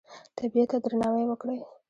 طبیعت ته درناوی وکړئ